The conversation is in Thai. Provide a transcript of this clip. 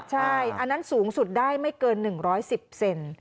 ใช่อันนั้นสูงสุดได้ไม่เกินหนึ่งร้อยสิบเซน